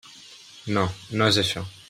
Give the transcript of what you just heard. No, no és això.